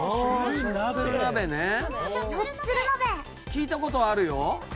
聞いた事はあるよ。